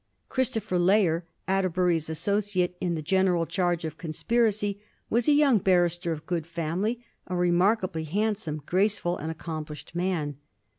Christopher Layer, Atterbury's associate in the general charge of conspiracy, was a young barrister of good family, a remarkably hand some, graceful, and accomplished man.